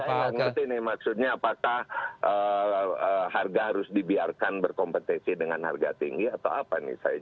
saya nggak ngerti nih maksudnya apakah harga harus dibiarkan berkompetisi dengan harga tinggi atau apa nih